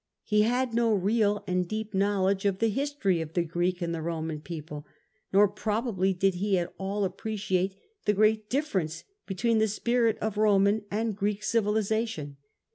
He had no real and deep knowledge of the history of the Greek and the Roman people, nor probably did he at all appreciate the great difference between the spirit of Roman and of Greek civilisation.